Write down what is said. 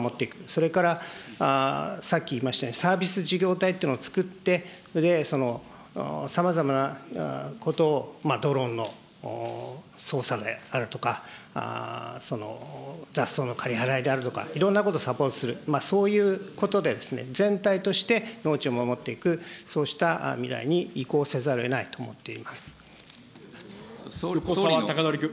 それからさっき言いましたように、サービス事業体というのを作って、それで、さまざまなことを、ドローンの操作であるとか、雑草の刈り払いであるとか、いろんなことをサポートする、そういうことで、全体として農地を守っていく、そうした未来に移行せざ横沢高徳君。